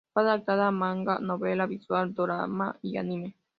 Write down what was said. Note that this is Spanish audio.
Fue adaptada a manga, novela visual, dorama y anime.